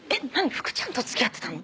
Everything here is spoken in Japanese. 福ちゃんと付き合ってたの？